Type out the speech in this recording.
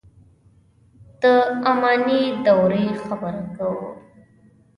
د اماني دورې خبره کوو.